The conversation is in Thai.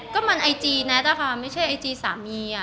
ก็มันไอจีแน็ตนะคะไม่ใช่ไอจีสามี